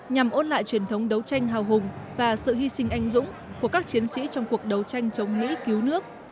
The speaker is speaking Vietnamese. nhằm ôn lại truyền thống đấu tranh hào hùng và sự hy sinh anh dũng của các chiến sĩ trong cuộc đấu tranh chống mỹ cứu nước